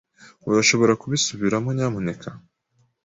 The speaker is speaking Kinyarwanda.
Urashobora kubisubiramo, nyamuneka?